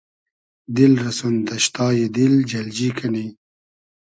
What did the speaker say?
دیل رۂ سون دئشتای دیل جئلجی کئنی